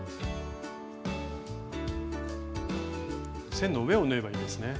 線の上を縫えばいいんですね。